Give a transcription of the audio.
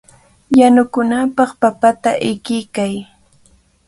Yanukunapaq papata ikiykay.